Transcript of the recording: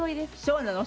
そうなの？